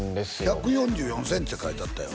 １４４センチって書いてあったよ